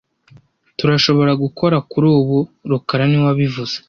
Turashobora gukora kuri ubu rukara niwe wabivuze